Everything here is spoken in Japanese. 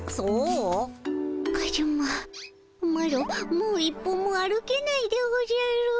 カズママロもう一歩も歩けないでおじゃる。